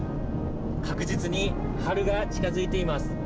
確実に春が近づいています。